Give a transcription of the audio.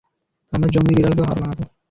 আমরা জংলি বিড়ালকেও হার মানাবো।